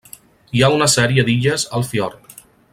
Hi ha una sèrie d'illes al fiord.